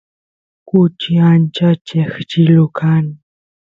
kuchi ancha cheqchilu kan